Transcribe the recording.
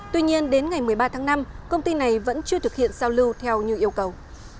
tuy nhiên đến ngày một mươi ba tháng năm công ty này vẫn chưa thực hiện sao lưu theo như yêu cầu